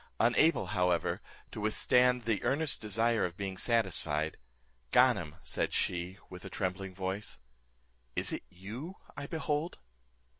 Unable, however, to withstand the earnest desire of being satisfied, "Ganem," said she, with a trembling voice, "is it you I behold?"